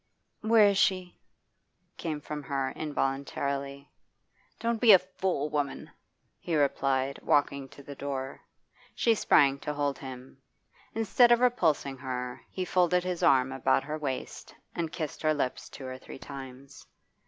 'Where is she?' came from her involuntarily. 'Don't be a fool, woman!' he replied, walking to the door. She sprang to hold him. Instead of repulsing her, he folded his arm about her waist and kissed her lips two or three times.